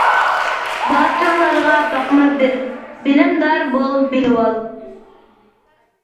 باتۇرلارغا باقما بىر، بىلىمدار بول بىلىۋال!